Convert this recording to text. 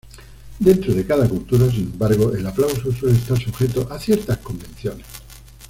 Dentro de cada cultura, sin embargo, el aplauso suele estar sujeto a ciertas convenciones.